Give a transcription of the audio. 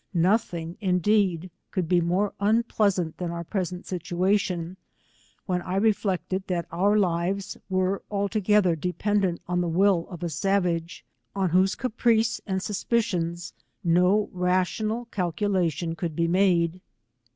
Nothing indeed could be more unpleasant than our present situa tion, when I reflected that our lives were altogether dependent on the will of a savage, on whose ca price and suspicions no rational calculation could be mad«.